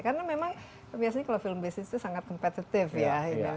karena memang biasanya film based itu sangat kompetitif ya